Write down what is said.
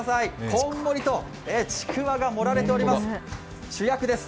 こんもりとちくわが盛られております